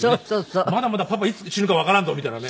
「まだまだパパいつ死ぬかわからんぞ」みたいなね。